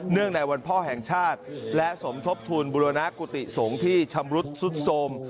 เนื่องในวันพ่อแห่งชาติและสมทบทูลบุรณากุฏิสงฆ์ที่ชำรุธสุทธโสม